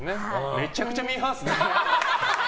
めちゃくちゃミーハーっすね。